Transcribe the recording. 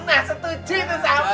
nah setuju itu sama